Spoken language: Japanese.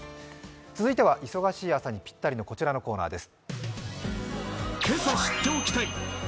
続いては忙しい朝にぴったりの、こちらのコーナーです。